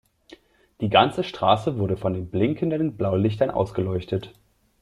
Die ganze Straße wurde von den blinkenden Blaulichtern ausgeleuchtet.